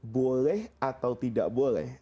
boleh atau tidak boleh